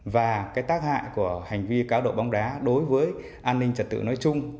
và tác hại của hành vi cá độ bóng đá đối với an ninh trả tự nói chung